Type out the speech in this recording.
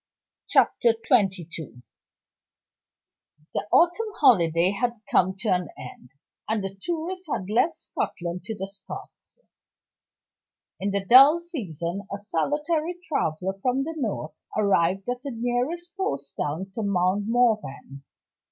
Chapter XXII. Retrospect. The autumn holiday time had come to an end; and the tourists had left Scotland to the Scots. In the dull season, a solitary traveler from the North arrived at the nearest post town to Mount Morven.